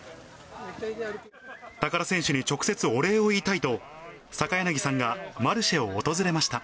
高田選手に直接お礼を言いたいと、坂柳さんがマルシェを訪れました。